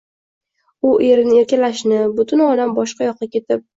U erini erkalashni, butun olam boshqa yoqqa ketib